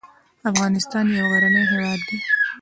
افغانستان يو غرنی هېواد دی